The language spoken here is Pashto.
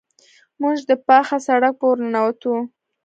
موږ د پاخه سړک په ورننوتو.